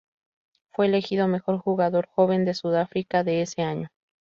Fue elegido Mejor Jugador Joven de Sudáfrica de ese año.